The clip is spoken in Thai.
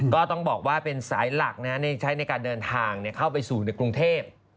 ก็ต้องบอกว่าเป็นสายหลักใช้ในการเดินทางเข้าไปสู่ในกรุงเทพ